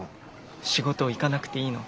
仕事行かなくていいの？